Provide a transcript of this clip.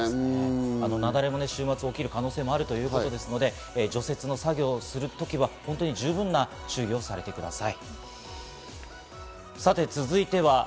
雪崩も週末、起きる可能性があるということですので、除雪作業をするときは十分注意をされてください。